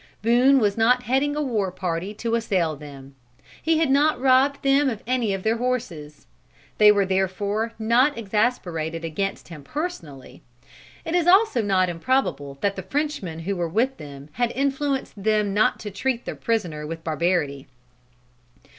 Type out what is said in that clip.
Boone was not heading a war party to assail them. He had not robbed them of any of their horses. They were therefore not exasperated against him personally. It is also not improbable that the Frenchmen who were with them had influenced them not to treat their prisoner with barbarity.